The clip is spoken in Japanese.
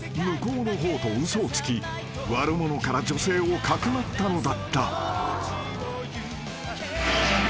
［向こうの方と嘘をつき悪者から女性をかくまったのだった］